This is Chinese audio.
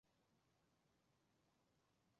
说个笑话给你听